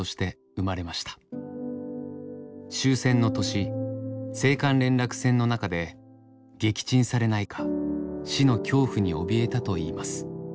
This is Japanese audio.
終戦の年青函連絡船の中で撃沈されないか死の恐怖におびえたと言います。